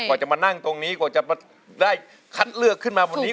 กว่าจะมานั่งตรงนี้กว่าจะได้คัดเลือกขึ้นมาบนนี้